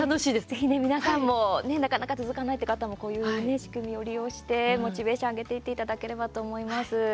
ぜひ皆さんもなかなか続かないって方もこういう仕組みを利用してモチベーション上げていっていただければと思います。